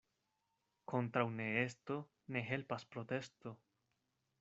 Kontraŭ neesto ne helpas protesto.